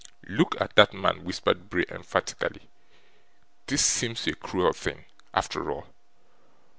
'Look at that man,' whispered Bray, emphatically. 'This seems a cruel thing, after all.